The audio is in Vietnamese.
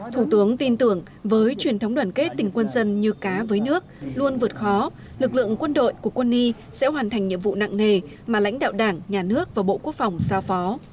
thủ tướng tin tưởng với truyền thống đoàn kết tình quân dân như cá với nước luôn vượt khó lực lượng quân đội của quân y sẽ hoàn thành nhiệm vụ nặng nề mà lãnh đạo đảng nhà nước và bộ quốc phòng giao phó